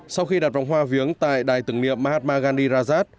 sau khi đặt vòng hoa viếng tại đài tưởng điệp mahatma gandhi rajad